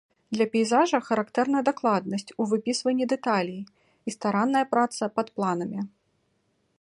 Для пейзажа характэрна дакладнасць у выпісванні дэталей і старанная праца пад планамі.